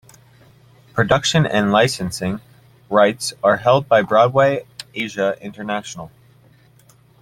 Production and licensing rights are held by Broadway Asia International.